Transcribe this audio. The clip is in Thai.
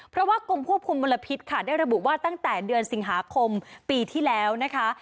เพราะว่ากรมควบคุมมลพิษค่ะได้ระบุว่าตั้งแต่เดือนสิงหาคมปีที่แล้วนะคะ